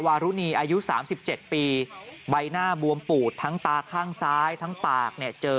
วารุณีอายุ๓๗ปีใบหน้าบวมปูดทั้งตาข้างซ้ายทั้งปากเนี่ยเจอ